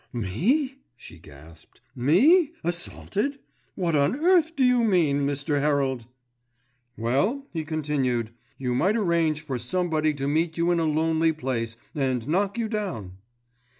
"Me?" she gasped. "Me, assaulted? What on earth do you mean, Mr. Herald?" "Well," he continued, "You might arrange for somebody to meet you in a lonely place, and knock you down."